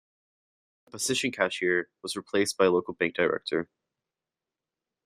The position cashier was replaced by a local bank director.